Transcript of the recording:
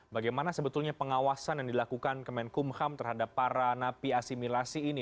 bagaimana sebetulnya pengawasan yang dilakukan kemenkumham terhadap para napi asimilasi ini